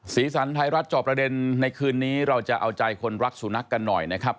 สีสันไทยรัฐจอบประเด็นในคืนนี้เราจะเอาใจคนรักสุนัขกันหน่อยนะครับ